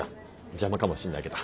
邪魔かもしんないけど。